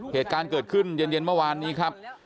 เหตุการณ์เกิดขึ้นเย็นเมื่อวานนี้ครับ